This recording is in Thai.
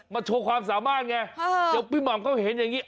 โชว์ความสามารถไงเดี๋ยวพี่หม่ำเขาเห็นอย่างนี้